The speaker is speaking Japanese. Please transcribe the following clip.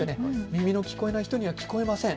耳の聞こえない人には聞こえません。